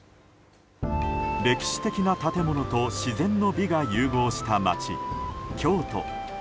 歴史的な建物と自然の美が融合した街・京都。